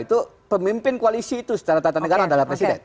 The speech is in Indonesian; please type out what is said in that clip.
itu pemimpin koalisi itu secara tata negara adalah presiden